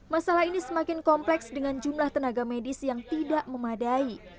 masalah ini semakin kompleks dengan jumlah tenaga medis yang tidak memadai